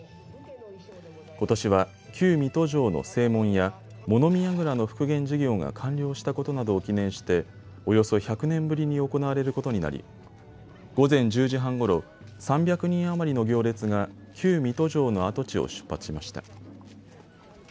ことしは旧水戸城の正門や物見やぐらの復元事業が完了したことなどを記念しておよそ１００年ぶりに行われることになり、午前１０時半ごろ、３００人余りの行列が旧水戸城の跡地を出発しました。